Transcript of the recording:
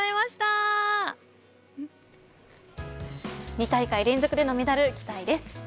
２大会連続でのメダル期待です。